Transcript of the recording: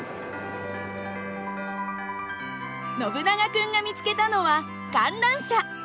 ノブナガ君が見つけたのは観覧車。